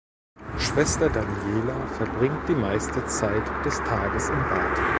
Schwester Daniela verbringt die meiste Zeit des Tages im Bad.